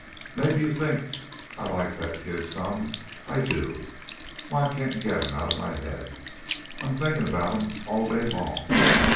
Maybe you think I like that kid some. I do. Why, I can't get him outa my head. I'm thinkin' about'm all day long.